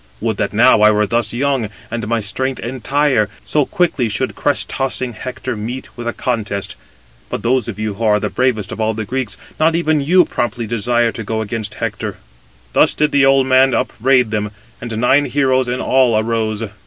Would that [now] I were thus young, and my strength entire—so quickly should crest tossing Hector meet with a contest. But those of you who are the bravest of all the Greeks, not even you promptly desire to go against Hector." Thus did the old man upbraid them; and nine heroes in all arose.